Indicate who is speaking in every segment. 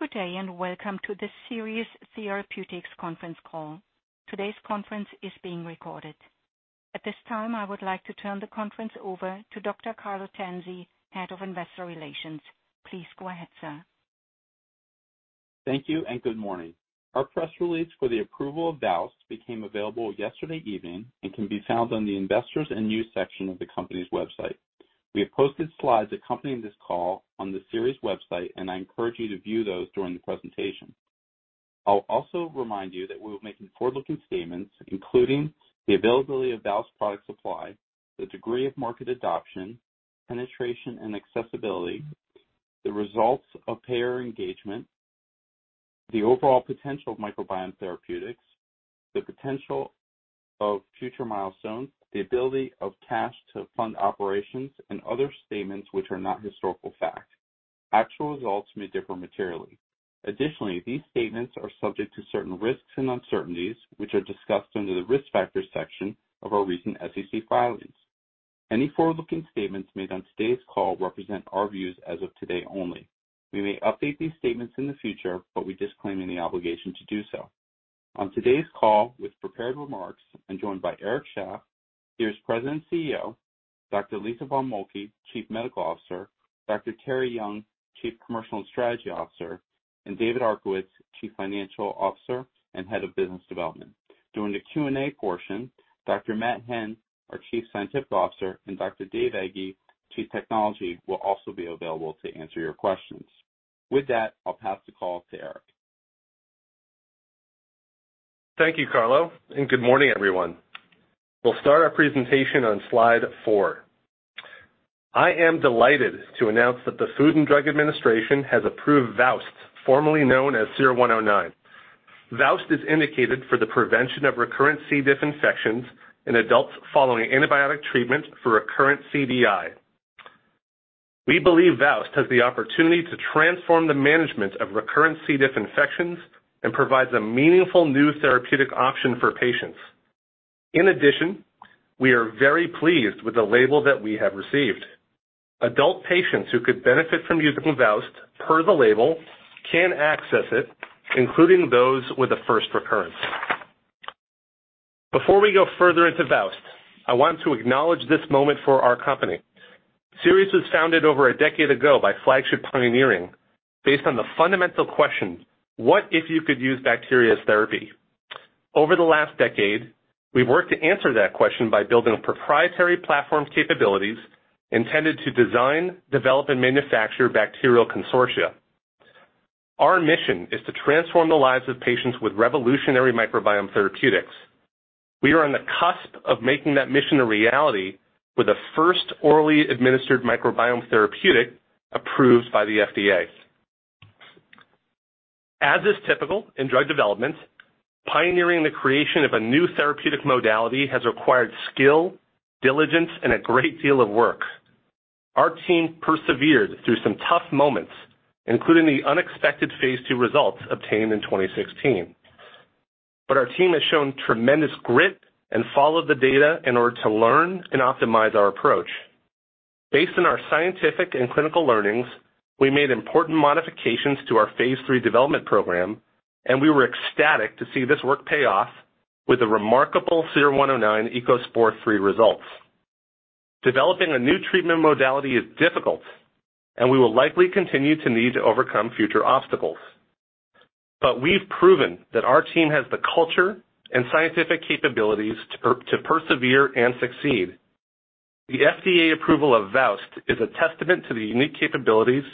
Speaker 1: Good day, and welcome to the Seres Therapeutics conference call. Today's conference is being recorded. At this time, I would like to turn the conference over to Dr. Carlo Tanzi, Head of Investor Relations. Please go ahead, sir.
Speaker 2: Thank you and good morning. Our press release for the approval of VOWST became available yesterday evening and can be found on the Investors and News section of the company's website. We have posted slides accompanying this call on the Seres website, and I encourage you to view those during the presentation. I'll also remind you that we're making forward-looking statements, including the availability of VOWST product supply, the degree of market adoption, penetration, and accessibility, the results of payer engagement, the overall potential of microbiome therapeutics, the potential of future milestones, the ability of cash to fund operations, and other statements which are not historical facts. Actual results may differ materially. Additionally, these statements are subject to certain risks and uncertainties, which are discussed under the Risk Factors section of our recent SEC filings. Any forward-looking statements made on today's call represent our views as of today only. We may update these statements in the future, but we disclaim any obligation to do so. On today's call with prepared remarks, I'm joined by Eric Shaff, Seres President and CEO, Dr. Lisa von Moltke, Chief Medical Officer, Dr. Terri Young, Chief Commercial and Strategy Officer, and David Arkowitz, Chief Financial Officer and Head of Business Development. During the Q&A portion, Dr. Matthew Henn, our Chief Scientific Officer, and Dr. Dave Ege, Chief Technology, will also be available to answer your questions. With that, I'll pass the call to Eric.
Speaker 3: Thank you, Carlo, and good morning, everyone. We'll start our presentation on slide four. I am delighted to announce that the Food and Drug Administration has approved VOWST, formerly known as SER-109. VOWST is indicated for the prevention of recurrent C. diff infections in adults following antibiotic treatment for recurrent CDI. We believe VOWST has the opportunity to transform the management of recurrent C. diff infections and provides a meaningful new therapeutic option for patients. In addition, we are very pleased with the label that we have received. Adult patients who could benefit from using VOWST per the label can access it, including those with a first recurrence. Before we go further into VOWST, I want to acknowledge this moment for our company. Seres was founded over a decade ago by Flagship Pioneering based on the fundamental question: What if you could use bacteria as therapy? Over the last decade, we've worked to answer that question by building proprietary platform capabilities intended to design, develop, and manufacture bacterial consortia. Our mission is to transform the lives of patients with revolutionary microbiome therapeutics. We are on the cusp of making that mission a reality with the first orally administered microbiome therapeutic approved by the FDA. As is typical in drug development, pioneering the creation of a new therapeutic modality has required skill, diligence, and a great deal of work. Our team persevered through some tough moments, including the unexpected Phase 2 results obtained in 2016. Our team has shown tremendous grit and followed the data in order to learn and optimize our approach. Based on our scientific and clinical learnings, we made important modifications to our Phase 3 development program. We were ecstatic to see this work pay off with the remarkable SER-109 ECOSPOR III results. Developing a new treatment modality is difficult, and we will likely continue to need to overcome future obstacles. We've proven that our team has the culture and scientific capabilities to persevere and succeed. The FDA approval of VOWST is a testament to the unique capabilities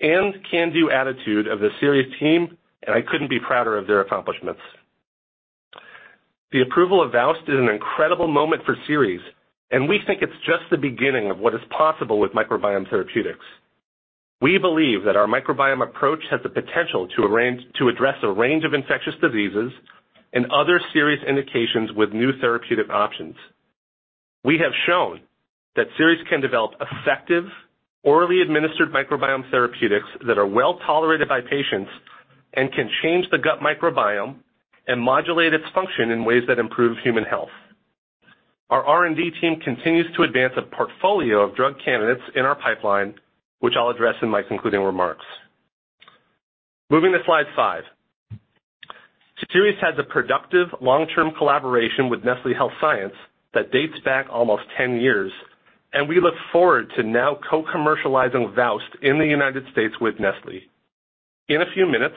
Speaker 3: and can-do attitude of the Seres team. I couldn't be prouder of their accomplishments. The approval of VOWST is an incredible moment for Seres. We think it's just the beginning of what is possible with microbiome therapeutics. We believe that our microbiome approach has the potential to address a range of infectious diseases and other Seres indications with new therapeutic options. We have shown that Seres can develop effective orally administered microbiome therapeutics that are well-tolerated by patients and can change the gut microbiome and modulate its function in ways that improve human health. Our R&D team continues to advance a portfolio of drug candidates in our pipeline, which I'll address in my concluding remarks. Moving to slide five. Seres has a productive long-term collaboration with Nestlé Health Science that dates back almost 10 years, and we look forward to now co-commercializing VOWST in the United States with Nestlé. In a few minutes,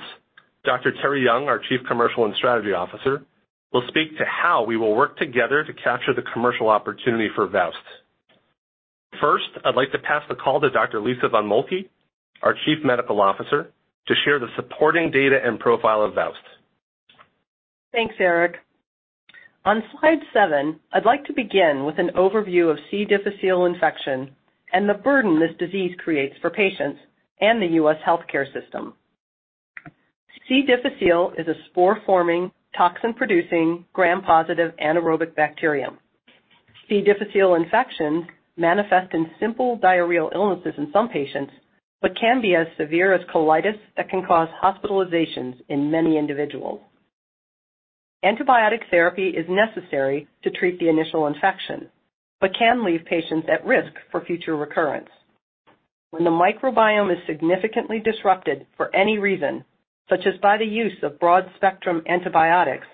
Speaker 3: Dr. Terri Young, our Chief Commercial and Strategy Officer, will speak to how we will work together to capture the commercial opportunity for VOWST. First, I'd like to pass the call to Dr. Lisa von Moltke, our Chief Medical Officer, to share the supporting data and profile of VOWST.
Speaker 1: Thanks, Eric. On slide seven, I'd like to begin with an overview of C. difficile infection and the burden this disease creates for patients and the U.S. healthcare system. C. difficile is a spore-forming, toxin-producing, gram-positive anaerobic bacterium. C. difficile infections manifest in simple diarrheal illnesses in some patients but can be as severe as colitis that can cause hospitalizations in many individuals. Antibiotic therapy is necessary to treat the initial infection, but can leave patients at risk for future recurrence. When the microbiome is significantly disrupted for any reason, such as by the use of broad-spectrum antibiotics,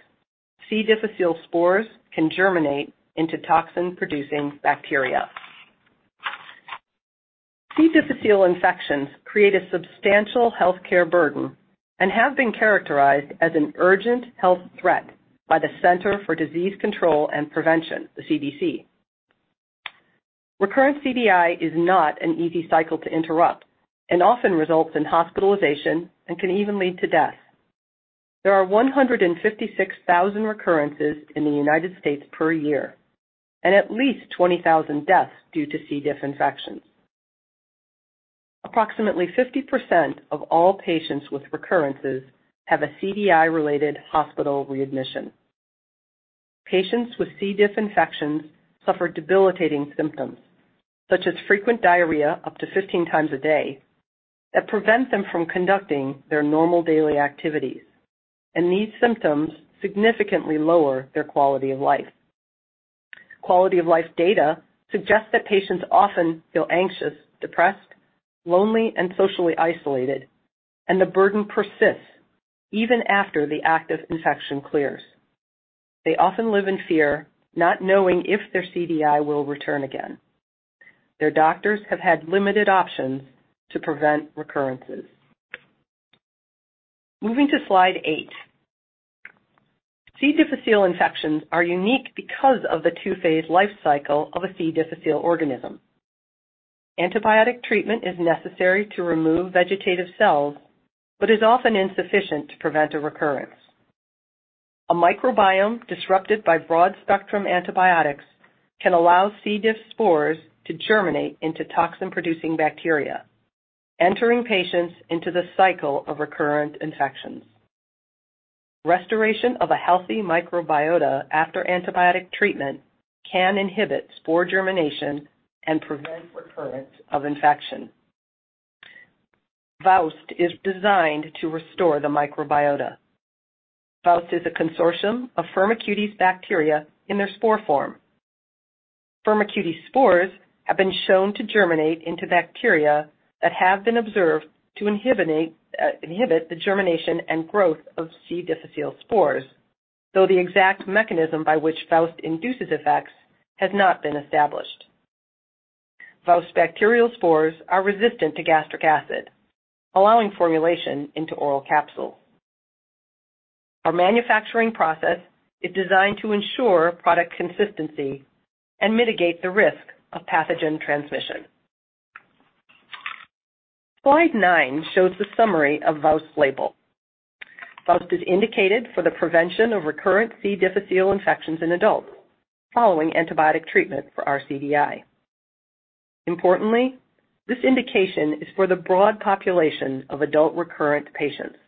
Speaker 1: C. difficile spores can germinate into toxin-producing bacteria. C. difficile infections create a substantial healthcare burden and have been characterized as an urgent health threat by the Centers for Disease Control and Prevention, the CDC. Recurrent CDI is not an easy cycle to interrupt and often results in hospitalization and can even lead to death. There are 156,000 recurrences in the United States per year and at least 20,000 deaths due to C. diff infections. Approximately 50% of all patients with recurrences have a CDI-related hospital readmission. Patients with C. diff infections suffer debilitating symptoms, such as frequent diarrhea, up to 15x a day, that prevent them from conducting their normal daily activities, and these symptoms significantly lower their quality of life. Quality of life data suggests that patients often feel anxious, depressed, lonely, and socially isolated, and the burden persists even after the active infection clears. They often live in fear, not knowing if their CDI will return again. Their doctors have had limited options to prevent recurrences. Moving to slide eight. C. difficile infections are unique because of the two-phase life cycle of a C. difficile organism. Antibiotic treatment is necessary to remove vegetative cells but is often insufficient to prevent a recurrence. A microbiome disrupted by broad-spectrum antibiotics can allow C. diff spores to germinate into toxin-producing bacteria, entering patients into the cycle of recurrent infections. Restoration of a healthy microbiota after antibiotic treatment can inhibit spore germination and prevent recurrence of infection. VOWST is designed to restore the microbiota. VOWST is a consortium of Firmicutes bacteria in their spore form. Firmicutes spores have been shown to germinate into bacteria that have been observed to inhibit the germination and growth of C. difficile spores, though the exact mechanism by which VOWST induces effects has not been established. VOWST bacterial spores are resistant to gastric acid, allowing formulation into oral capsules. Our manufacturing process is designed to ensure product consistency and mitigate the risk of pathogen transmission. Slide nine shows the summary of VOWST label. VOWST is indicated for the prevention of recurrent C. difficile infections in adults following antibiotic treatment for RCDI. Importantly, this indication is for the broad population of adult recurrent patients.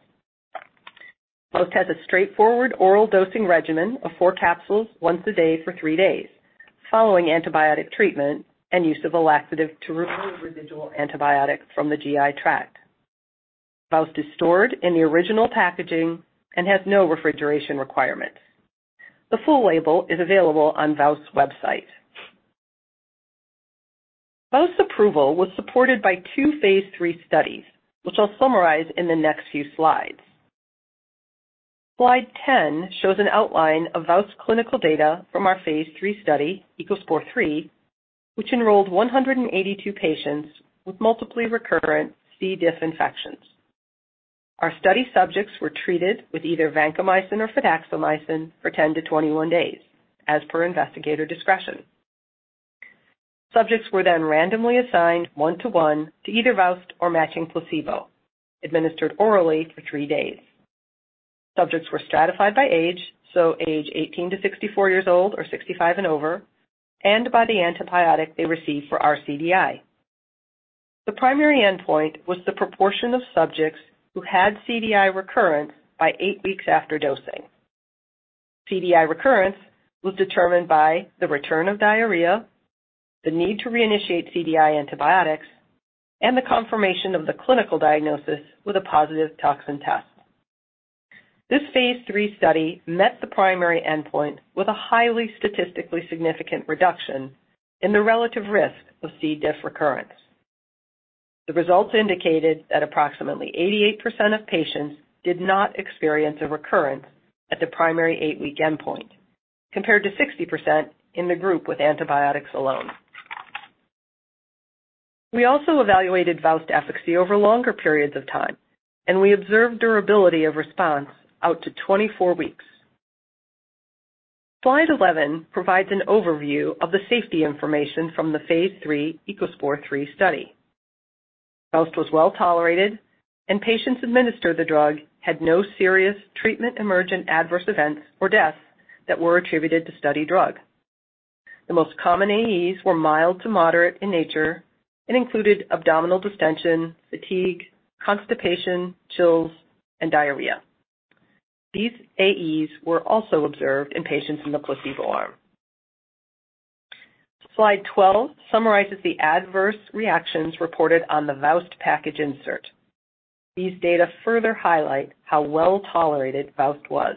Speaker 1: VOWST has a straightforward oral dosing regimen of four capsules once a day for three days following antibiotic treatment and use of a laxative to remove residual antibiotics from the GI tract. VOWST is stored in the original packaging and has no refrigeration requirement. The full label is available on VOWST's website. VOWST approval was supported by two Phase 3 studies, which I'll summarize in the next few slides. Slide 10 shows an outline of VOWST clinical data from our Phase 3 study, ECOSPOR III, which enrolled 182 patients with multiply recurrent C. diff infections. Our study subjects were treated with either vancomycin or fidaxomicin for 10-21 days as per investigator discretion. Subjects were randomly assigned 1-to-1 to either VOWST or matching placebo, administered orally for three days. Subjects were stratified by age, so age 18-64 years old or 65 and over, and by the antibiotic they received for our CDI. The primary endpoint was the proportion of subjects who had CDI recurrence by eight weeks after dosing. CDI recurrence was determined by the return of diarrhea, the need to reinitiate CDI antibiotics, and the confirmation of the clinical diagnosis with a positive toxin test. This Phase 3 study met the primary endpoint with a highly statistically significant reduction in the relative risk of C. diff recurrence. The results indicated that approximately 88% of patients did not experience a recurrence at the primary eigh-week endpoint, compared to 60% in the group with antibiotics alone. We also evaluated VOWST efficacy over longer periods of time, and we observed durability of response out to 24 weeks. Slide 11 provides an overview of the safety information from the Phase 3 ECOSPOR III study. VOWST was well-tolerated, and patients administered the drug had no serious treatment-emergent adverse events or deaths that were attributed to study drug. The most common AEs were mild to moderate in nature and included abdominal distension, fatigue, constipation, chills, and diarrhea. These AEs were also observed in patients in the placebo arm. Slide 12 summarizes the adverse reactions reported on the VOWST package insert. These data further highlight how well-tolerated VOWST was.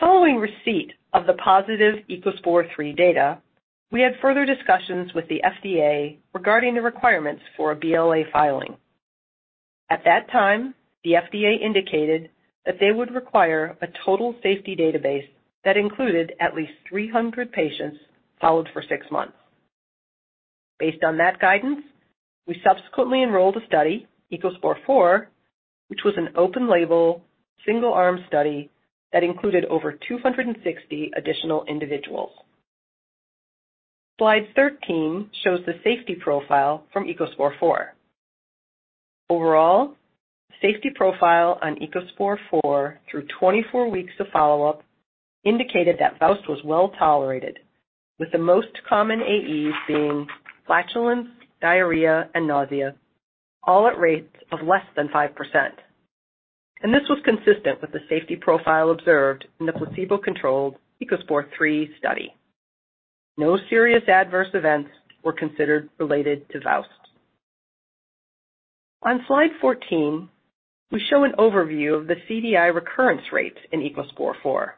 Speaker 1: Following receipt of the positive ECOSPOR III data, we had further discussions with the FDA regarding the requirements for a BLA filing. At that time, the FDA indicated that they would require a total safety database that included at least 300 patients followed for six months. Based on that guidance, we subsequently enrolled a study, ECOSPOR IV, which was an open-label single-arm study that included over 260 additional individuals. Slide 13 shows the safety profile from ECOSPOR IV. Overall, safety profile on ECOSPOR IV through 24 weeks of follow-up indicated that VOWST was well-tolerated, with the most common AEs being flatulence, diarrhea, and nausea, all at rates of less than 5%. This was consistent with the safety profile observed in the placebo-controlled ECOSPOR III study. No serious adverse events were considered related to VOWST. On slide 14, we show an overview of the CDI recurrence rates in ECOSPOR IV.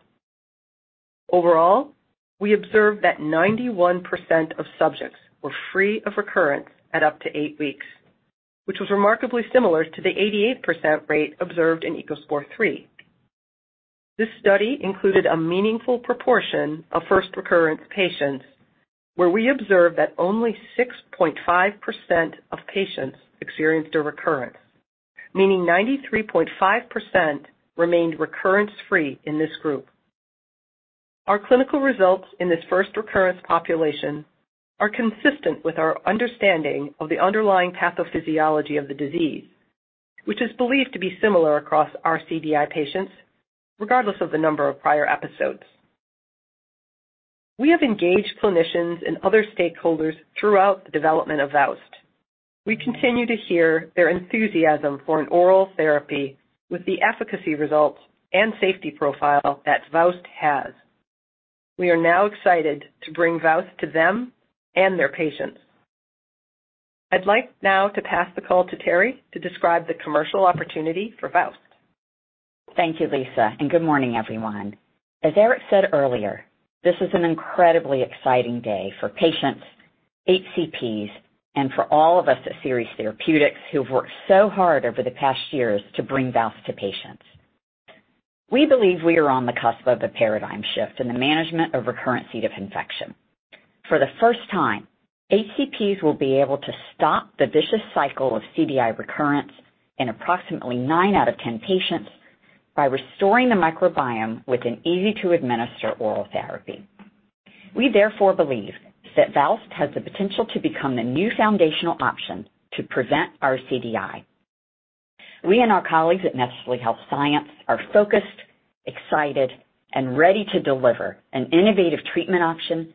Speaker 1: Overall, we observed that 91% of subjects were free of recurrence at up to eight weeks, which was remarkably similar to the 88% rate observed in ECOSPOR III. This study included a meaningful proportion of first recurrence patients, where we observed that only 6.5% of patients experienced a recurrence, meaning 93.5% remained recurrence-free in this group. Our clinical results in this first recurrence population are consistent with our understanding of the underlying pathophysiology of the disease, which is believed to be similar across our CDI patients, regardless of the number of prior episodes. We have engaged clinicians and other stakeholders throughout the development of VOWST. We continue to hear their enthusiasm for an oral therapy with the efficacy results and safety profile that VOWST has. We are now excited to bring VOWST to them and their patients. I'd like now to pass the call to Terri to describe the commercial opportunity for VOWST.
Speaker 4: Thank you, Lisa, good morning, everyone. As Eric said earlier, this is an incredibly exciting day for patients, HCPs, and for all of us at Seres Therapeutics who've worked so hard over the past years to bring VOWST to patients. We believe we are on the cusp of a paradigm shift in the management of recurrent C. diff infection. For the first time, HCPs will be able to stop the vicious cycle of CDI recurrence in approximately nine out of 10 patients by restoring the microbiome with an easy-to-administer oral therapy. We therefore believe that VOWST has the potential to become the new foundational option to prevent our CDI. We and our colleagues at Nestlé Health Science are focused, excited, and ready to deliver an innovative treatment option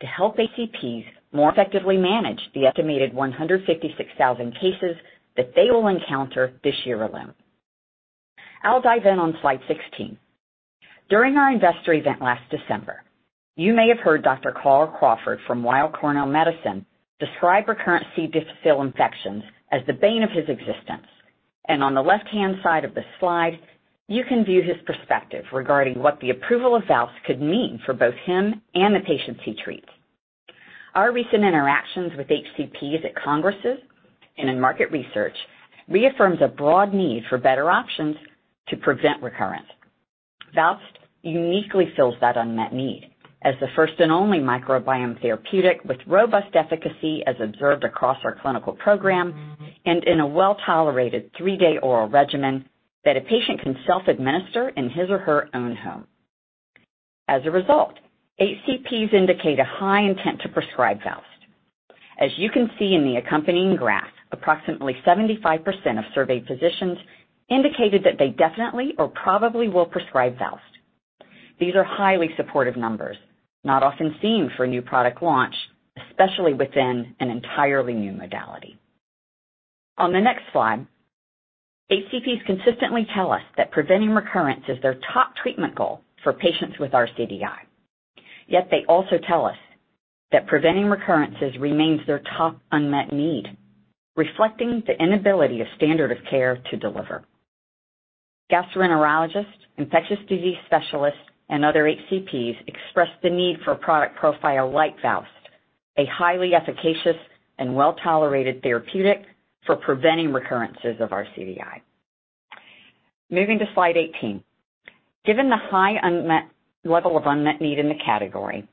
Speaker 4: to help HCPs more effectively manage the estimated 156,000 cases that they will encounter this year alone. I'll dive in on slide 16. During our investor event last December, you may have heard Dr. Carl Crawford from Weill Cornell Medicine describe recurrent C. difficile infections as the bane of his existence. On the left-hand side of this slide, you can view his perspective regarding what the approval of VOWST could mean for both him and the patients he treats. Our recent interactions with HCPs at congresses and in market research reaffirms a broad need for better options to prevent recurrence. VOWST uniquely fills that unmet need as the first and only microbiome therapeutic with robust efficacy as observed across our clinical program and in a well-tolerated three-day oral regimen that a patient can self-administer in his or her own home. As a result, HCPs indicate a high intent to prescribe VOWST. As you can see in the accompanying graph, approximately 75% of surveyed physicians indicated that they definitely or probably will prescribe VOWST. These are highly supportive numbers, not often seen for a new product launch, especially within an entirely new modality. On the next slide, HCPs consistently tell us that preventing recurrence is their top treatment goal for patients with RCDI. They also tell us that preventing recurrences remains their top unmet need, reflecting the inability of standard of care to deliver. Gastroenterologists, infectious disease specialists, and other HCPs expressed the need for a product profile like VOWST, a highly efficacious and well-tolerated therapeutic for preventing recurrences of RCDI. Moving to slide 18. Given the high level of unmet need in the category,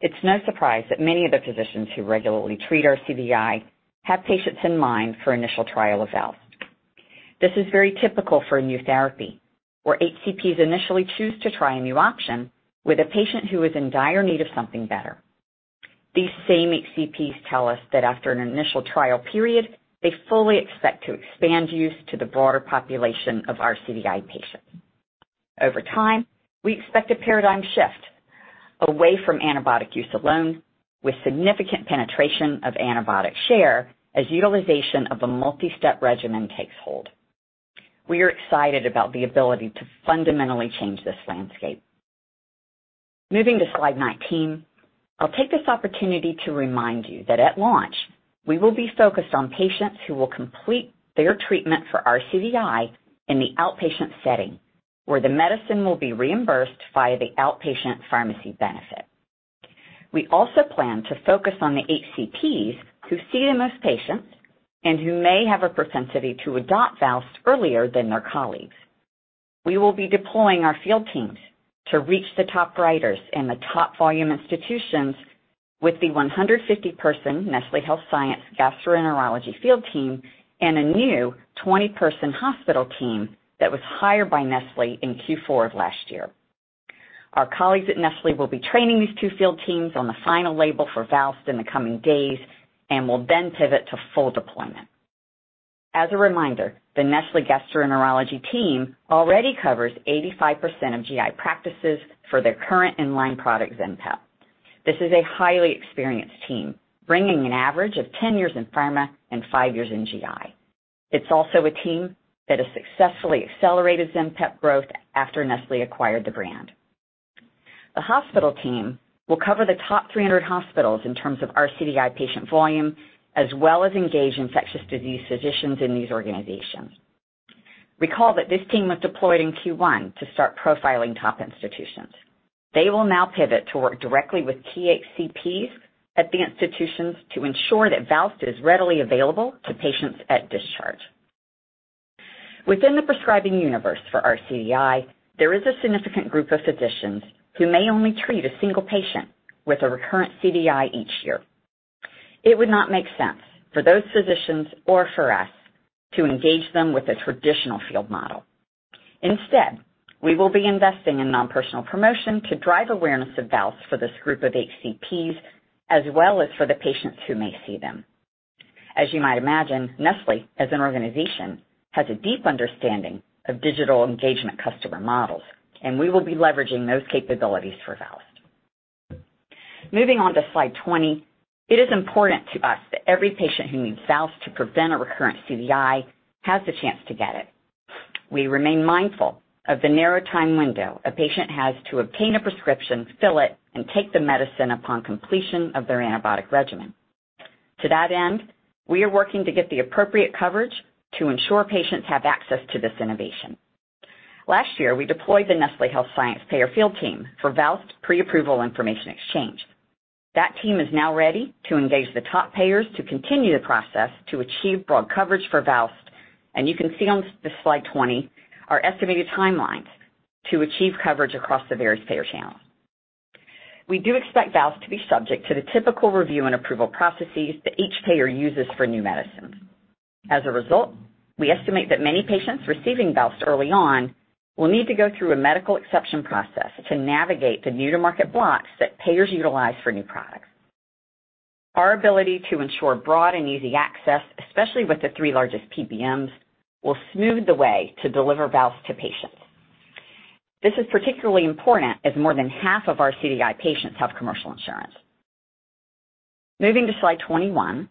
Speaker 4: it's no surprise that many of the physicians who regularly treat RCDI have patients in mind for initial trial of VOWST. This is very typical for a new therapy, where HCPs initially choose to try a new option with a patient who is in dire need of something better. These same HCPs tell us that after an initial trial period, they fully expect to expand use to the broader population of RCDI patients. Over time, we expect a paradigm shift away from antibiotic use alone, with significant penetration of antibiotic share as utilization of a multi-step regimen takes hold. We are excited about the ability to fundamentally change this landscape. Moving to slide 19. I'll take this opportunity to remind you that at launch, we will be focused on patients who will complete their treatment for RCDI in the outpatient setting, where the medicine will be reimbursed via the outpatient pharmacy benefit. We also plan to focus on the HCPs who see the most patients and who may have a propensity to adopt VOWST earlier than their colleagues. We will be deploying our field teams to reach the top writers in the top volume institutions with the 150-person Nestlé Health Science gastroenterology field team and a new 20-person hospital team that was hired by Nestlé in Q4 of last year. Our colleagues at Nestlé will be training these two field teams on the final label for VOWST in the coming days and will then pivot to full deployment. As a reminder, the Nestlé gastroenterology team already covers 85% of GI practices for their current in-line product, ZENPEP. This is a highly experienced team, bringing an average of 10 years in pharma and five years in GI. It's also a team that has successfully accelerated ZENPEP growth after Nestlé acquired the brand. The hospital team will cover the top 300 hospitals in terms of RCDI patient volume, as well as engage infectious disease physicians in these organizations. Recall that this team was deployed in Q1 to start profiling top institutions. They will now pivot to work directly with HCPs at the institutions to ensure that VOWST is readily available to patients at discharge. Within the prescribing universe for RCDI, there is a significant group of physicians who may only treat a single patient with a recurrent CDI each year. It would not make sense for those physicians or for us to engage them with a traditional field model. Instead, we will be investing in non-personal promotion to drive awareness of VOWST for this group of HCPs, as well as for the patients who may see them. As you might imagine, Nestlé, as an organization, has a deep understanding of digital engagement customer models, and we will be leveraging those capabilities for VOWST. Moving on to slide 20. It is important to us that every patient who needs VOWST to prevent a recurrent CDI has the chance to get it. We remain mindful of the narrow time window a patient has to obtain a prescription, fill it, and take the medicine upon completion of their antibiotic regimen. To that end, we are working to get the appropriate coverage to ensure patients have access to this innovation. Last year, we deployed the Nestlé Health Science payer field team for VOWST pre-approval information exchange. That team is now ready to engage the top payers to continue the process to achieve broad coverage for VOWST. You can see on this slide 20 our estimated timelines to achieve coverage across the various payer channels. We do expect VOWST to be subject to the typical review and approval processes that each payer uses for new medicines. As a result, we estimate that many patients receiving VOWST early on will need to go through a medical exception process to navigate the new-to-market blocks that payers utilize for new products. Our ability to ensure broad and easy access, especially with the three largest PBMs, will smooth the way to deliver VOWST to patients. This is particularly important as more than half of our CDI patients have commercial insurance. Moving to slide 21.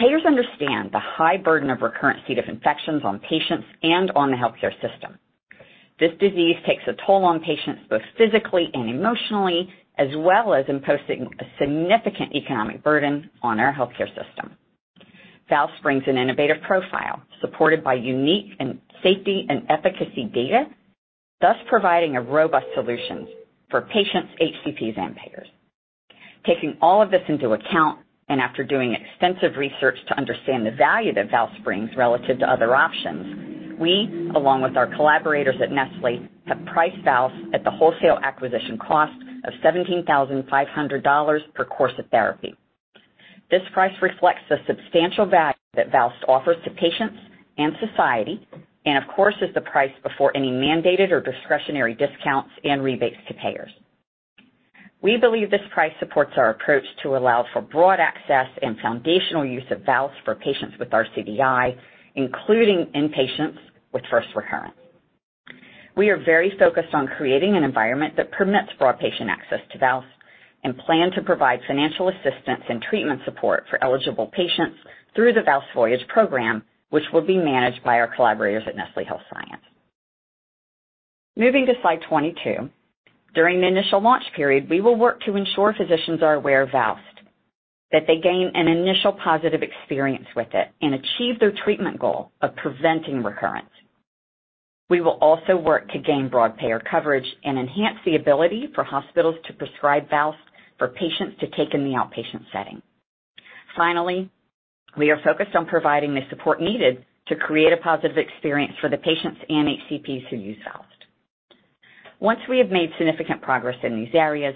Speaker 4: Payers understand the high burden of recurrent C. diff infections on patients and on the healthcare system. This disease takes a toll on patients, both physically and emotionally, as well as imposing a significant economic burden on our healthcare system. VOWST brings an innovative profile supported by unique and safety and efficacy data, thus providing a robust solution for patients, HCPs, and payers. Taking all of this into account, after doing extensive research to understand the value that VOWST brings relative to other options, we, along with our collaborators at Nestlé, have priced VOWST at the wholesale acquisition cost of $17,500 per course of therapy. This price reflects the substantial value that VOWST offers to patients and society, and of course, is the price before any mandated or discretionary discounts and rebates to payers. We believe this price supports our approach to allow for broad access and foundational use of VOWST for patients with RCDI, including in patients with first recurrence. We are very focused on creating an environment that permits broad patient access to VOWST and plan to provide financial assistance and treatment support for eligible patients through the VOWST Voyage program, which will be managed by our collaborators at Nestlé Health Science. Moving to slide 22. During the initial launch period, we will work to ensure physicians are aware of VOWST, that they gain an initial positive experience with it, and achieve their treatment goal of preventing recurrence. We will also work to gain broad payer coverage and enhance the ability for hospitals to prescribe VOWST for patients to take in the outpatient setting. Finally, we are focused on providing the support needed to create a positive experience for the patients and HCPs who use VOWST. Once we have made significant progress in these areas,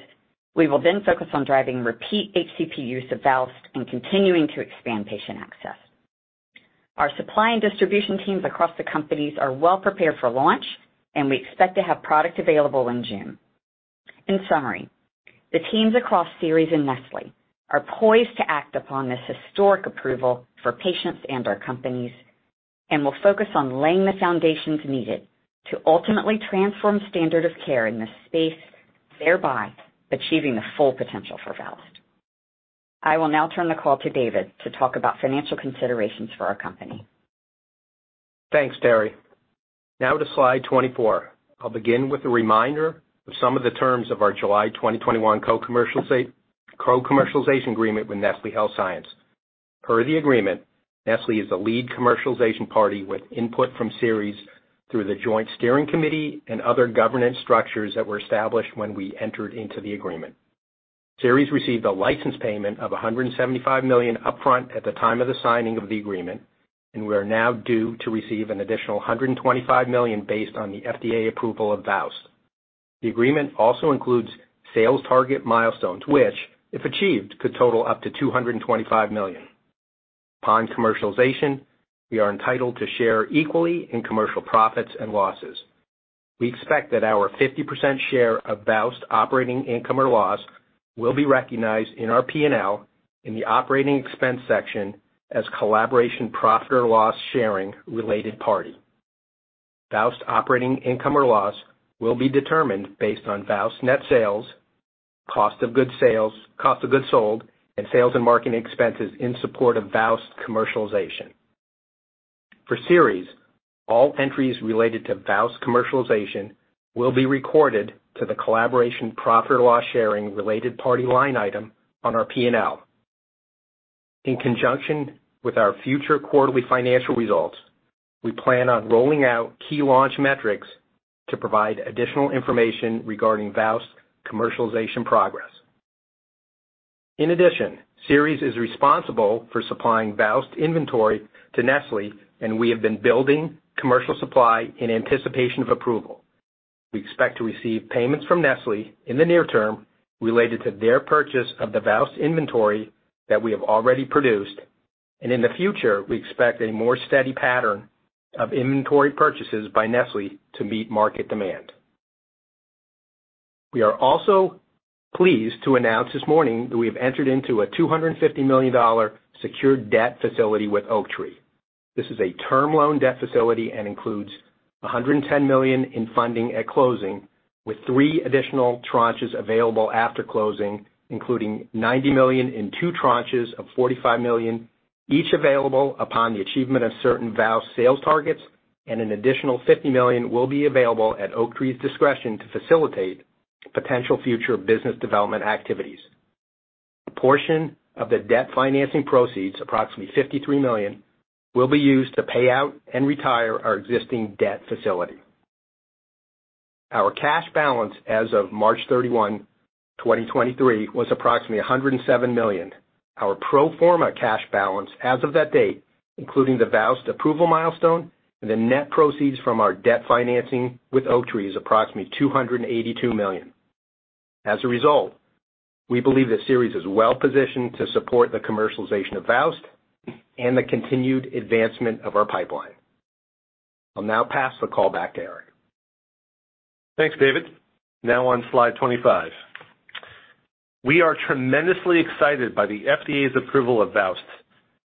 Speaker 4: we will then focus on driving repeat HCP use of VOWST and continuing to expand patient access. Our supply and distribution teams across the companies are well prepared for launch, and we expect to have product available in June. In summary, the teams across Seres and Nestlé are poised to act upon this historic approval for patients and our companies and will focus on laying the foundations needed to ultimately transform standard of care in this space, thereby achieving the full potential for VOWST. I will now turn the call to David to talk about financial considerations for our company.
Speaker 5: Thanks, Terri. Now to slide 24. I'll begin with a reminder of some of the terms of our July 2021 co-commercialization agreement with Nestlé Health Science. Per the agreement, Nestlé is the lead commercialization party with input from Seres through the joint steering committee and other governance structures that were established when we entered into the agreement. Seres received a license payment of $175 million upfront at the time of the signing of the agreement, and we are now due to receive an additional $125 million based on the FDA approval of VOWST. The agreement also includes sales target milestones, which, if achieved, could total up to $225 million. Upon commercialization, we are entitled to share equally in commercial profits and losses. We expect that our 50% share of VOWST operating income or loss will be recognized in our P&L in the operating expense section as collaboration profit or loss sharing related party. VOWST operating income or loss will be determined based on VOWST net sales, cost of goods sold, and sales and marketing expenses in support of VOWST commercialization. For Seres, all entries related to VOWST commercialization will be recorded to the collaboration profit or loss sharing related party line item on our P&L. In conjunction with our future quarterly financial results, we plan on rolling out key launch metrics to provide additional information regarding VOWST commercialization progress. In addition, Seres is responsible for supplying VOWST inventory to Nestlé, and we have been building commercial supply in anticipation of approval. We expect to receive payments from Nestlé in the near term related to their purchase of the VOWST inventory that we have already produced, and in the future, we expect a more steady pattern of inventory purchases by Nestlé to meet market demand. We are also pleased to announce this morning that we have entered into a $250 million secured debt facility with Oaktree. This is a term loan debt facility and includes $110 million in funding at closing, with three additional tranches available after closing, including $90 million in two tranches of $45 million, each available upon the achievement of certain VOWST sales targets, and an additional $50 million will be available at Oaktree's discretion to facilitate potential future business development activities. A portion of the debt financing proceeds, approximately $53 million, will be used to pay out and retire our existing debt facility. Our cash balance as of March 31, 2023 was approximately $107 million. Our pro forma cash balance as of that date, including the VOWST approval milestone and the net proceeds from our debt financing with Oaktree, is approximately $282 million. As a result, we believe that Seres is well-positioned to support the commercialization of VOWST and the continued advancement of our pipeline. I'll now pass the call back to Eric.
Speaker 3: Thanks, David. On slide 25. We are tremendously excited by the FDA's approval of VOWST.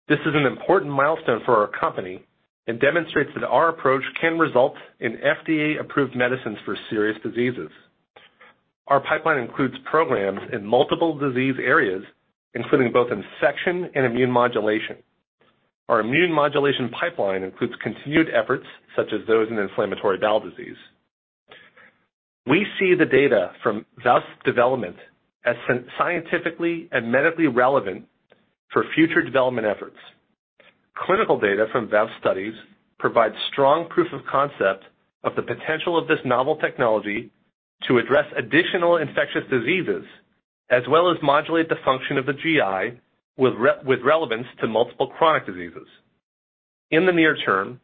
Speaker 3: This is an important milestone for our company and demonstrates that our approach can result in FDA-approved medicines for serious diseases. Our pipeline includes programs in multiple disease areas, including both infection and immune modulation. Our immune modulation pipeline includes continued efforts such as those in inflammatory bowel disease. We see the data from VOWST development as scientifically and medically relevant for future development efforts. Clinical data from VOWST studies provides strong proof of concept of the potential of this novel technology to address additional infectious diseases, as well as modulate the function of the GI with relevance to multiple chronic diseases. In the near term,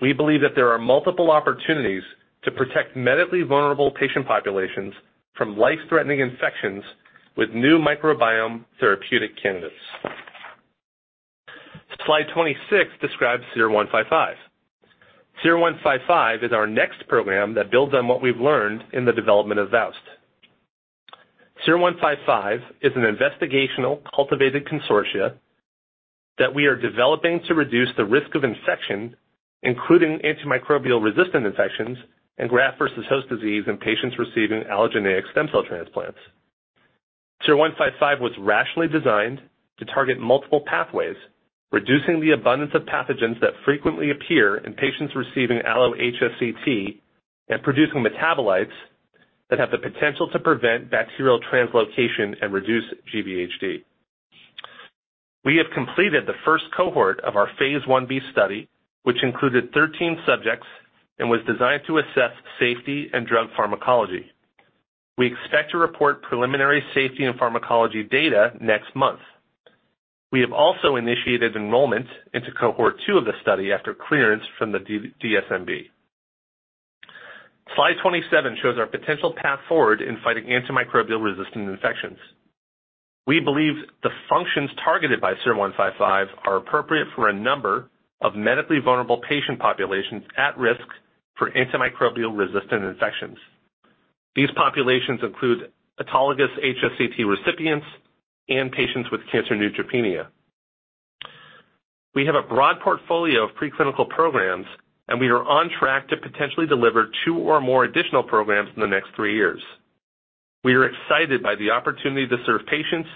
Speaker 3: we believe that there are multiple opportunities to protect medically vulnerable patient populations from life-threatening infections with new microbiome therapeutic candidates. Slide 26 describes SER-155. SER-155 is our next program that builds on what we've learned in the development of VOWST. SER-155 is an investigational cultivated consortia that we are developing to reduce the risk of infection, including antimicrobial-resistant infections and Graft-versus-Host Disease in patients receiving allogeneic stem cell transplants. SER-155 was rationally designed to target multiple pathways, reducing the abundance of pathogens that frequently appear in patients receiving allo-HSCT and producing metabolites that have the potential to prevent bacterial translocation and reduce GvHD. We have completed the first cohort of our Phase 1b study, which included 13 subjects and was designed to assess safety and drug pharmacology. We expect to report preliminary safety and pharmacology data next month. We have also initiated enrollment into Cohort 2 of the study after clearance from the DSMB. Slide 27 shows our potential path forward in fighting antimicrobial-resistant infections. We believe the functions targeted by SER-155 are appropriate for a number of medically vulnerable patient populations at risk for antimicrobial-resistant infections. These populations include autologous HSCT recipients and patients with cancer neutropenia. We have a broad portfolio of preclinical programs, and we are on track to potentially deliver two or more additional programs in the next three years. We are excited by the opportunity to serve patients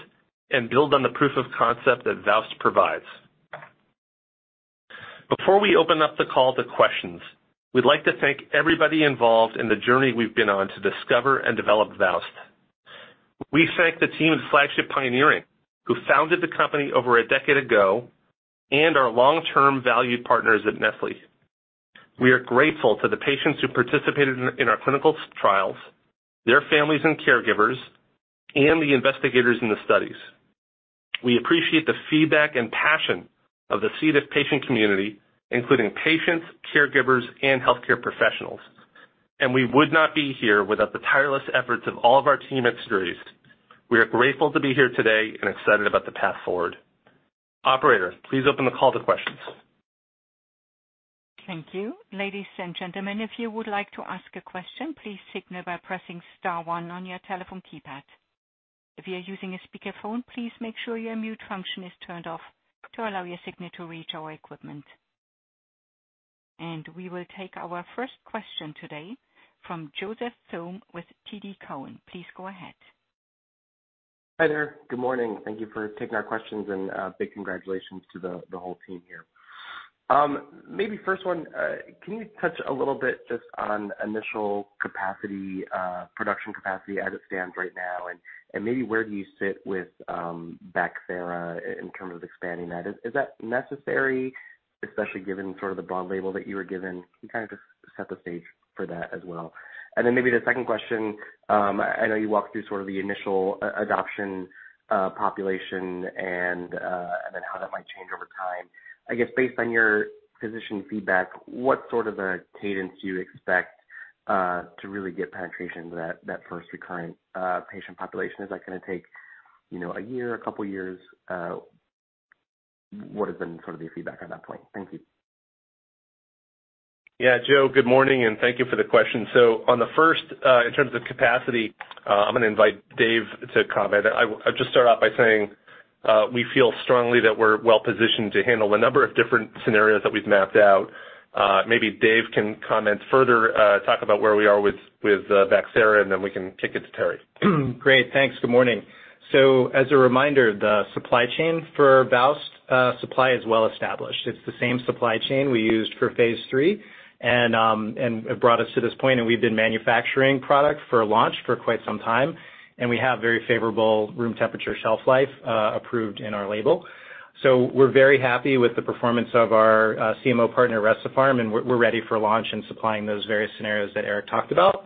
Speaker 3: and build on the proof of concept that VOWST provides. Before we open up the call to questions, we'd like to thank everybody involved in the journey we've been on to discover and develop VOWST. We thank the team's Flagship Pioneering, who founded the company over a decade ago, and our long-term valued partners at Nestlé. We are grateful to the patients who participated in our clinical trials, their families and caregivers, and the investigators in the studies. We appreciate the feedback and passion of the C. diff patient community, including patients, caregivers, and healthcare professionals. We would not be here without the tireless efforts of all of our team at Seres. We are grateful to be here today and excited about the path forward. Operator, please open the call to questions.
Speaker 6: Thank you. Ladies and gentlemen, if you would like to ask a question, please signal by pressing star one on your telephone keypad. If you are using a speakerphone, please make sure your mute function is turned off to allow your signal to reach our equipment. We will take our first question today from Joseph Thome with TD Cowen. Please go ahead.
Speaker 7: Hi there. Good morning. Thank you for taking our questions, and big congratulations to the whole team here. Maybe first one, can you touch a little bit just on initial capacity, production capacity as it stands right now? Maybe where do you sit with Bacthera in terms of expanding that? Is that necessary, especially given sort of the broad label that you were given? Can you kinda just set the stage for that as well? Maybe the second question, I know you walked through sort of the initial adoption, population and then how that might change over time. I guess based on your physician feedback, what sort of a cadence do you expect to really get penetration to that first recurrent patient population? Is that gonna take, you know, a year, a couple years? What has been sort of your feedback on that point? Thank you.
Speaker 3: Yeah. Joe, good morning, and thank you for the question. On the first, in terms of capacity, I'm gonna invite Dave to comment. I'll just start off by saying, we feel strongly that we're well positioned to handle the number of different scenarios that we've mapped out. Maybe Dave can comment further, talk about where we are with, Bacthera, and then we can kick it to Terri.
Speaker 8: Great. Thanks. Good morning. As a reminder, the supply chain for VOWST supply is well established. It's the same supply chain we used for Phase 3. It brought us to this point. We've been manufacturing product for launch for quite some time, and we have very favorable room temperature shelf life approved in our label. We're very happy with the performance of our CMO partner, Recipharm, and we're ready for launch and supplying those various scenarios that Eric talked about.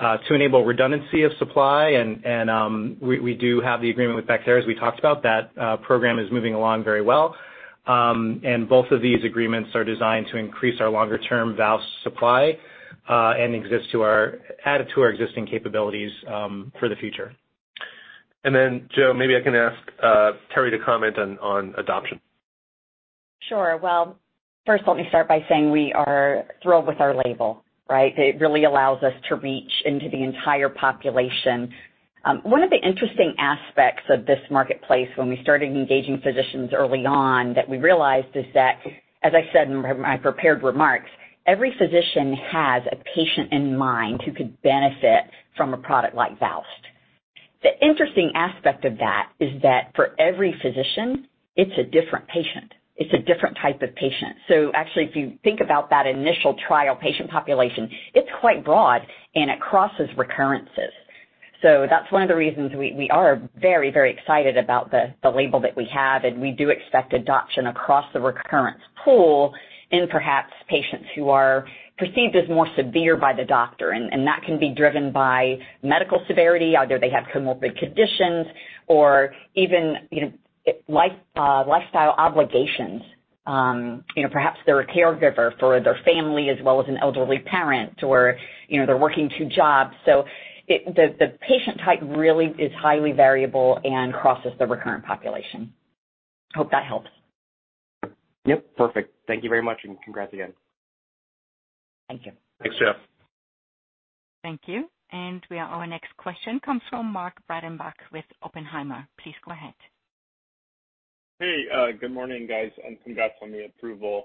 Speaker 8: To enable redundancy of supply, we do have the agreement with Bacthera, as we talked about. That program is moving along very well. Both of these agreements are designed to increase our longer-term VOWST supply and add to our existing capabilities for the future.
Speaker 3: Joe, maybe I can ask Terri Young to comment on adoption.
Speaker 4: Sure. Well, first let me start by saying we are thrilled with our label, right? It really allows us to reach into the entire population. One of the interesting aspects of this marketplace when we started engaging physicians early on that we realized is that, as I said in my prepared remarks, every physician has a patient in mind who could benefit from a product like VOWST. The interesting aspect of that is that for every physician, it's a different patient. It's a different type of patient. Actually, if you think about that initial trial patient population, it's quite broad and it crosses recurrences. That's one of the reasons we are very, very excited about the label that we have, and we do expect adoption across the recurrence pool in perhaps patients who are perceived as more severe by the doctor. That can be driven by medical severity, either they have comorbid conditions or even, you know, like lifestyle obligations. You know, perhaps they're a caregiver for their family as well as an elderly parent or, you know, they're working two jobs. The patient type really is highly variable and crosses the recurrent population. Hope that helps.
Speaker 7: Yep, perfect. Thank you very much, and congrats again.
Speaker 4: Thank you.
Speaker 3: Thanks, Joe.
Speaker 6: Thank you. Our next question comes from Mark Breidenbach with Oppenheimer. Please go ahead.
Speaker 9: Good morning, guys, and congrats on the approval.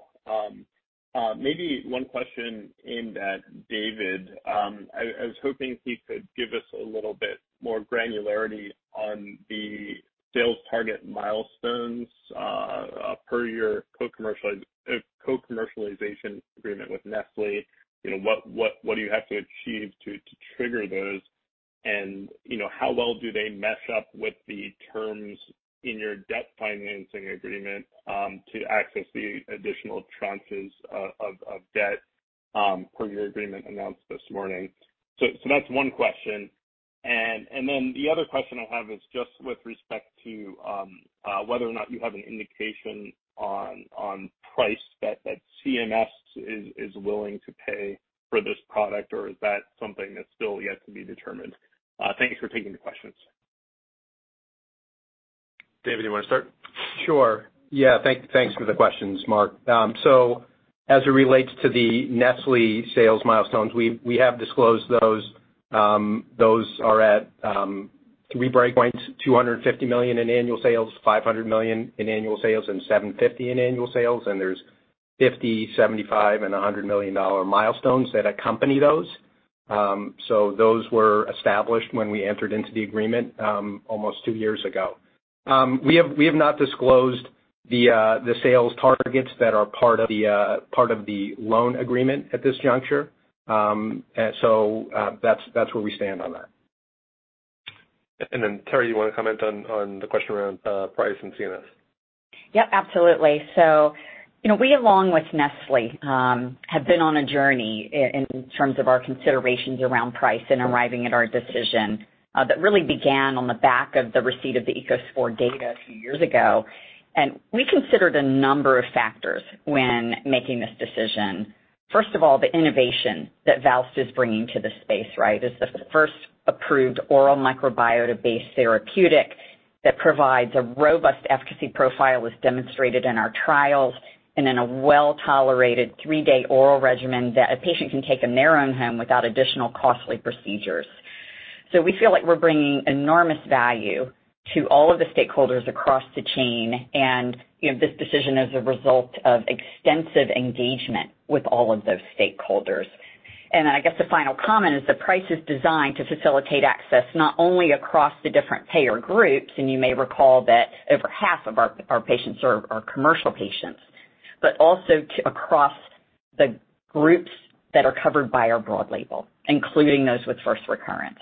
Speaker 9: Maybe one question aimed at David. I was hoping he could give us a little bit more granularity on the sales target milestones per your co-commercialization agreement with Nestlé. You know, what do you have to achieve to trigger those? You know, how well do they mesh up with the terms in your debt financing agreement to access the additional tranches of debt per your agreement announced this morning? That's one question. Then the other question I have is just with respect to whether or not you have an indication on price that CMS is willing to pay for this product, or is that something that's still yet to be determined? Thank you for taking the questions.
Speaker 3: David, you wanna start? Sure. Yeah. Thanks for the questions, Mark.
Speaker 5: As it relates to the Nestlé sales milestones, we have disclosed those. Those are at three breakpoints, $250 million in annual sales, $500 million in annual sales, and $750 million in annual sales, and there's $50 million, $75 million, and $100 million milestones that accompany those. So those were established when we entered into the agreement, almost two years ago. We have not disclosed the sales targets that are part of the loan agreement at this juncture. That's where we stand on that.
Speaker 3: Terri, you wanna comment on the question around, price and CMS?
Speaker 4: Yep, absolutely. You know, we along with Nestlé have been on a journey in terms of our considerations around price and arriving at our decision that really began on the back of the receipt of the ECOSPOR data a few years ago. We considered a number of factors when making this decision. First of all, the innovation that VOWST is bringing to the space, right? It's the first approved oral microbiota-based therapeutic that provides a robust efficacy profile as demonstrated in our trials and in a well-tolerated three-day oral regimen that a patient can take in their own home without additional costly procedures. We feel like we're bringing enormous value to all of the stakeholders across the chain, and, you know, this decision is a result of extensive engagement with all of those stakeholders. I guess the final comment is the price is designed to facilitate access not only across the different payer groups, and you may recall that over half of our patients are commercial patients, but also across the groups that are covered by our broad label, including those with first recurrence.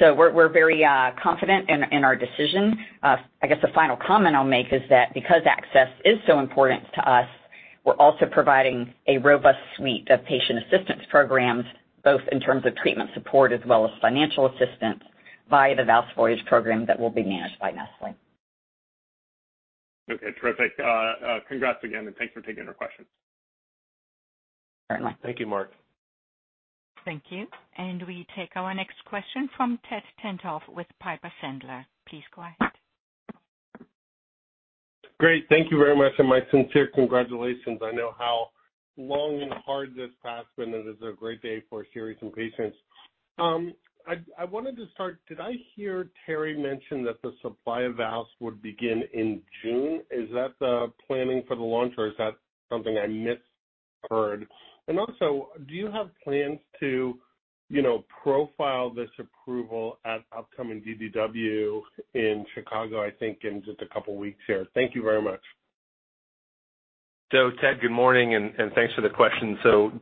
Speaker 4: We're very confident in our decision. I guess the final comment I'll make is that because access is so important to us, we're also providing a robust suite of patient assistance programs, both in terms of treatment support as well as financial assistance via the VOWST Voyage program that will be managed by Nestlé.
Speaker 9: Okay, terrific. Congrats again, thanks for taking our questions.
Speaker 4: Certainly.
Speaker 3: Thank you, Mark.
Speaker 6: Thank you. We take our next question from Ted Tenthoff with Piper Sandler. Please go ahead.
Speaker 10: Great. Thank you very much. My sincere congratulations. I know how long and hard this path's been. It is a great day for Seres and patients. I wanted to start, did I hear Terri mention that the supply of VOWST would begin in June? Is that the planning for the launch, or is that something I misheard? Also, do you have plans to, you know, profile this approval at upcoming DDW in Chicago, I think, in just a couple weeks here? Thank you very much.
Speaker 3: Ted, good morning, and thanks for the question.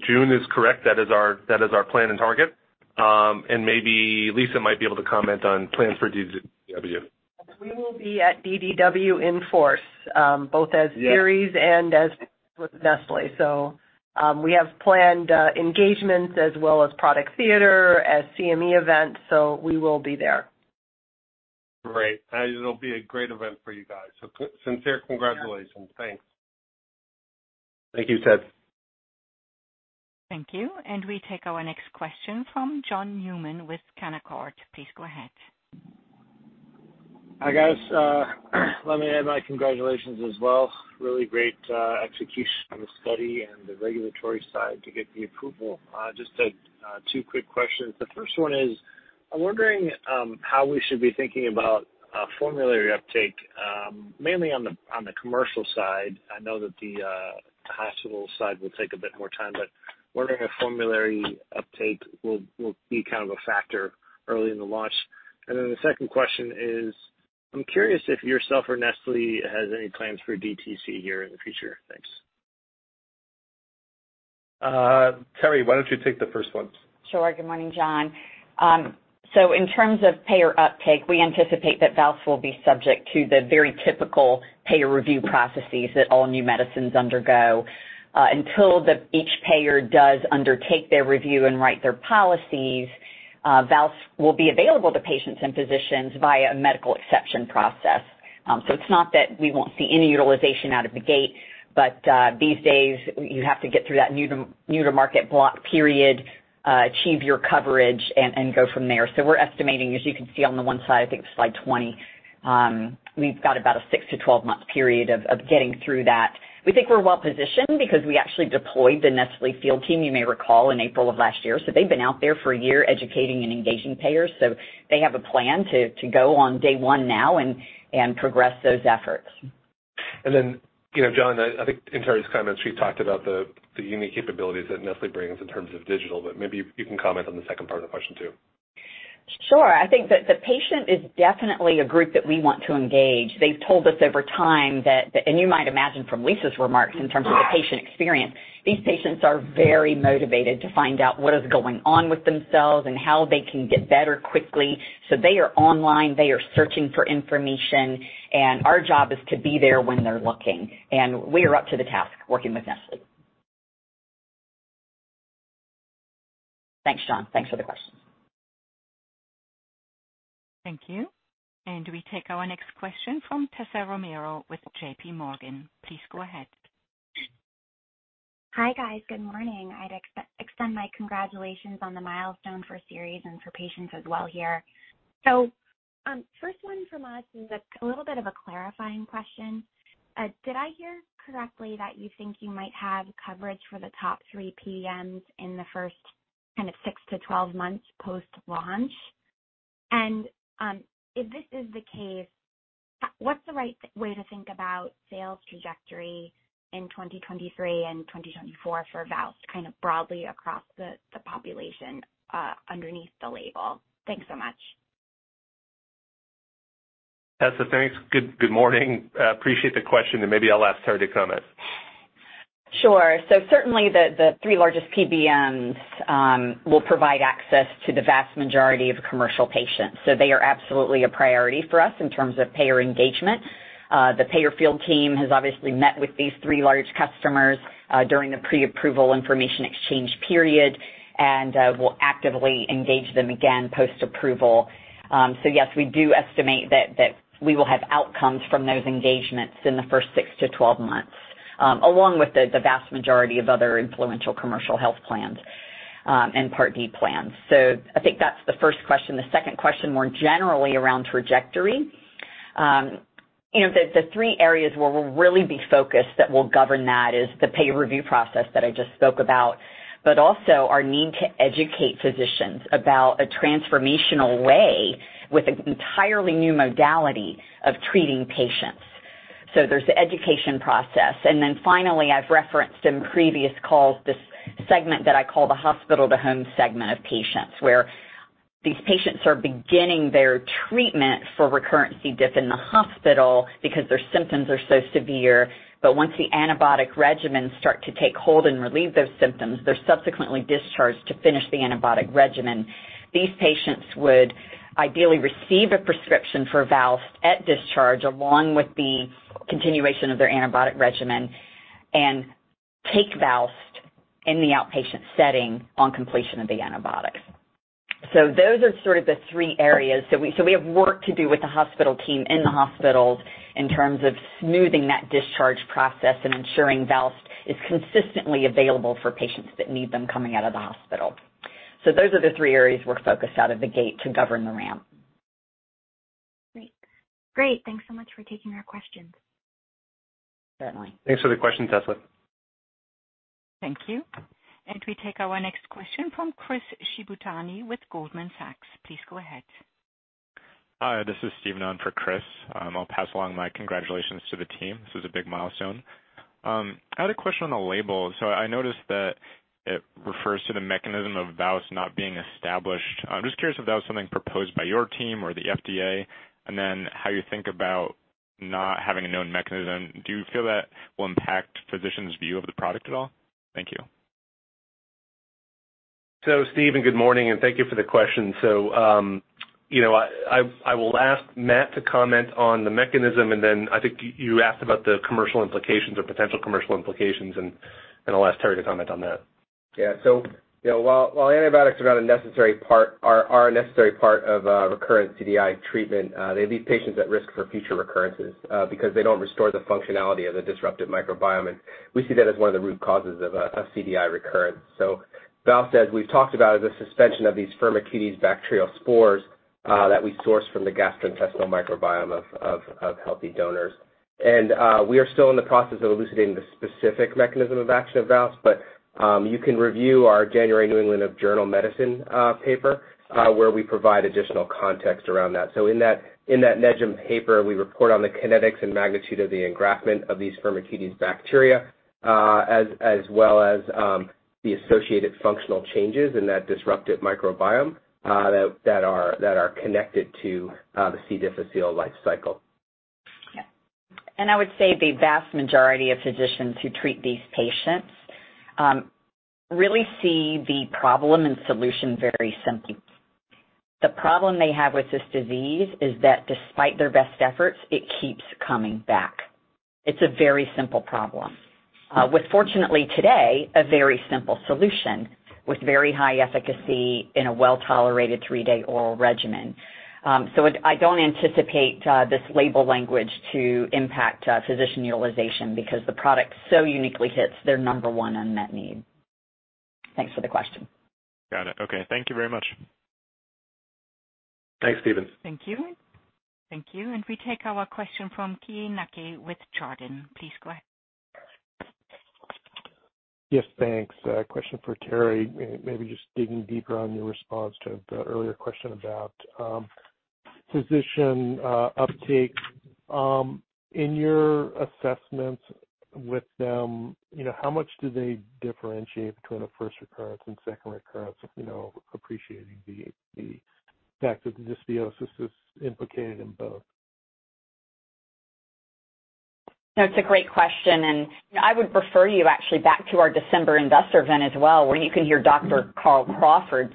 Speaker 3: June is correct. That is our plan and target. And maybe Lisa might be able to comment on plans for DDW.
Speaker 1: We will be at DDW in force, both as Seres as with Nestlé.
Speaker 10: Yes.
Speaker 1: We have planned engagements as well as product theater, as CME events, so we will be there.
Speaker 10: Great. It'll be a great event for you guys. Sincere congratulations.
Speaker 1: Yeah.
Speaker 10: Thanks.
Speaker 3: Thank you, Ted.
Speaker 6: Thank you. We take our next question from John Newman with Canaccord. Please go ahead.
Speaker 11: Hi, guys. Let me add my congratulations as well. Really great execution on the study and the regulatory side to get the approval. Just two quick questions. The first one is, I'm wondering how we should be thinking about formulary uptake, mainly on the commercial side? I know that the hospital side will take a bit more time, but wondering if formulary uptake will be kind of a factor early in the launch. The second question is, I'm curious if yourself or Nestlé has any plans for DTC here in the future. Thanks.
Speaker 3: Terri, why don't you take the first one?
Speaker 4: Sure. Good morning, John. In terms of payer uptake, we anticipate that VOWST will be subject to the very typical payer review processes that all new medicines undergo. Until each payer does undertake their review and write their policies, VOWST will be available to patients and physicians via a medical exception process. It's not that we won't see any utilization out of the gate, but these days you have to get through that new to market block period, achieve your coverage and go from there. We're estimating, as you can see on the one side, I think it was slide 20, we've got about a six to 12-month period of getting through that. We think we're well-positioned because we actually deployed the Nestlé field team, you may recall, in April of last year. They've been out there for a year educating and engaging payers. They have a plan to go on day one now and progress those efforts.
Speaker 11: You know, John, I think in Terri's comments, she talked about the unique capabilities that Nestlé brings in terms of digital, but maybe you can comment on the second part of the question too.
Speaker 4: Sure. I think that the patient is definitely a group that we want to engage. They've told us over time that. You might imagine from Lisa's remarks in terms of the patient experience, these patients are very motivated to find out what is going on with themselves and how they can get better quickly. They are online, they are searching for information, and our job is to be there when they're looking. We are up to the task working with Nestlé. Thanks, John. Thanks for the questions.
Speaker 6: Thank you. We take our next question from Tessa Romero with J.P. Morgan. Please go ahead.
Speaker 12: Hi, guys. Good morning. I'd extend my congratulations on the milestone for Seres and for patients as well here. First one from us is a little bit of a clarifying question. Did I hear correctly that you think you might have coverage for the top 3 PBMs in the first kind of six to 12 months post-launch? If this is the case, what's the right way to think about sales trajectory in 2023 and 2024 for VOWST, kind of broadly across the population underneath the label? Thanks so much.
Speaker 3: Tessa, thanks. Good morning. Appreciate the question, and maybe I'll ask Terri to comment.
Speaker 4: Sure. Certainly the three largest PBMs will provide access to the vast majority of commercial patients, so they are absolutely a priority for us in terms of payer engagement. The payer field team has obviously met with these three large customers during the pre-approval information exchange period and will actively engage them again post-approval. Yes, we do estimate that we will have outcomes from those engagements in the first 6-12 months along with the vast majority of other influential commercial health plans and Part D plans. I think that's the first question. The second question more generally around trajectory. You know, the three areas where we'll really be focused that will govern that is the payer review process that I just spoke about, but also our need to educate physicians about a transformational way with an entirely new modality of treating patients. There's the education process. Finally, I've referenced in previous calls this segment that I call the hospital-to-home segment of patients, where these patients are beginning their treatment for recurrent C. diff in the hospital because their symptoms are so severe. Once the antibiotic regimens start to take hold and relieve those symptoms, they're subsequently discharged to finish the antibiotic regimen. These patients would ideally receive a prescription for VOWST at discharge, along with the continuation of their antibiotic regimen and take VOWST in the outpatient setting on completion of the antibiotics. Those are sort of the three areas. We have work to do with the hospital team in the hospitals in terms of smoothing that discharge process and ensuring VOWST is consistently available for patients that need them coming out of the hospital. Those are the three areas we're focused out of the gate to govern the ramp.
Speaker 12: Great. Great. Thanks so much for taking our questions.
Speaker 4: Certainly.
Speaker 3: Thanks for the question, Tessa.
Speaker 6: Thank you. We take our next question from Chris Shibutani with Goldman Sachs. Please go ahead.
Speaker 13: Hi, this is Stephen on for Chris. I'll pass along my congratulations to the team. This is a big milestone. I had a question on the label. I noticed that it refers to the mechanism of VOWST not being established. I'm just curious if that was something proposed by your team or the FDA, and then how you think about not having a known mechanism. Do you feel that will impact physicians' view of the product at all? Thank you.
Speaker 3: Stephen, good morning, and thank you for the question. You know, I will ask Matt to comment on the mechanism, and then I think you asked about the commercial implications or potential commercial implications, and I'll ask Terri to comment on that.
Speaker 14: Yeah. You know, while antibiotics are a necessary part of recurrent CDI treatment, they leave patients at risk for future recurrences, because they don't restore the functionality of the disrupted microbiome, and we see that as one of the root causes of CDI recurrence. VOWST, as we've talked about, is a suspension of these Firmicutes bacteria spores, that we source from the gastrointestinal microbiome of healthy donors. We are still in the process of elucidating the specific mechanism of action of VOWST, but, you can review our January New England Journal of Medicine paper, where we provide additional context around that. In that NEJM paper, we report on the kinetics and magnitude of the engraftment of these Firmicutes bacteria, as well as, the associated functional changes in that disruptive microbiome, that are connected to the C. difficile life cycle.
Speaker 4: Yeah. I would say the vast majority of physicians who treat these patients really see the problem and solution very simply. The problem they have with this disease is that despite their best efforts, it keeps coming back. It's a very simple problem with fortunately today, a very simple solution with very high efficacy in a well-tolerated three-day oral regimen. I don't anticipate this label language to impact physician utilization because the product so uniquely hits their number one unmet need. Thanks for the question.
Speaker 13: Got it. Okay. Thank you very much.
Speaker 3: Thanks, Stephen.
Speaker 6: Thank you. Thank you. We take our question from Keay Nakae with Chardan. Please go ahead.
Speaker 15: Yes, thanks. A question for Terri. Maybe just digging deeper on your response to the earlier question about physician uptake. In your assessment with them, you know, how much do they differentiate between a first recurrence and second recurrence, you know, appreciating the fact that dysbiosis is implicated in both?
Speaker 4: No, it's a great question, and I would refer you actually back to our December investor event as well, where you can hear Dr. Carl Crawford's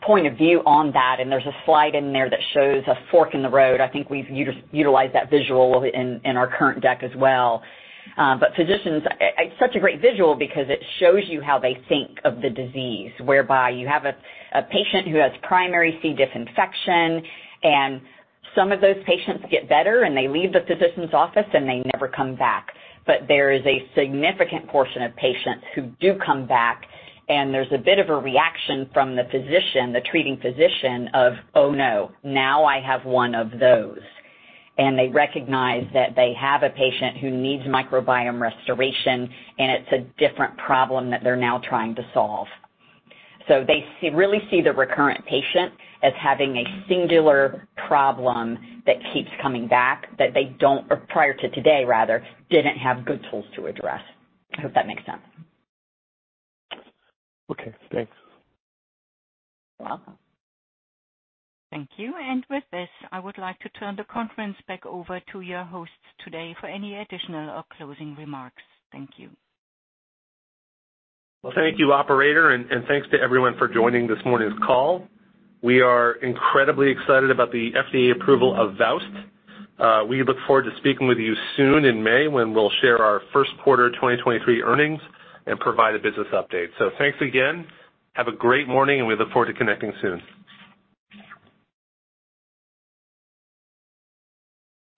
Speaker 4: point of view on that. There's a slide in there that shows a fork in the road. I think we've utilized that visual in our current deck as well. physicians. It's such a great visual because it shows you how they think of the disease, whereby you have a patient who has primary C. diff infection, and some of those patients get better, and they leave the physician's office, and they never come back. There is a significant portion of patients who do come back, and there's a bit of a reaction from the physician, the treating physician of, "Oh, no. Now I have one of those." They recognize that they have a patient who needs microbiome restoration, and it's a different problem that they're now trying to solve. They see, really see the recurrent patient as having a singular problem that keeps coming back that they don't, or prior to today, rather, didn't have good tools to address. I hope that makes sense.
Speaker 15: Okay, thanks.
Speaker 4: You're welcome.
Speaker 6: Thank you. With this, I would like to turn the conference back over to your hosts today for any additional or closing remarks. Thank you.
Speaker 3: Well, thank you, operator, and thanks to everyone for joining this morning's call. We are incredibly excited about the FDA approval of VOWST. We look forward to speaking with you soon in May when we'll share our first quarter 2023 earnings and provide a business update. Thanks again. Have a great morning, and we look forward to connecting soon.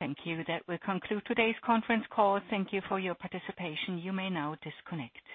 Speaker 6: Thank you. That will conclude today's conference call. Thank you for your participation. You may now disconnect.